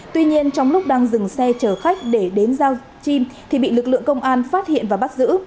tuy nhiên trong lúc đang dừng xe chở khách để đến giao chim thì bị lực lượng công an phát hiện và bắt giữ